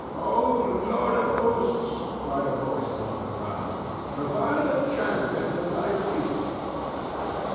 "O Lord of hosts," cried a voice among the crowd, "provide a champion for thy people!"